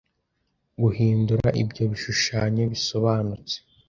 guhindura ibyo bishushanyo bisobanutse